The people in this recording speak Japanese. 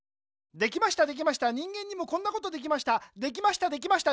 できましたできました人間にもこんなことできました。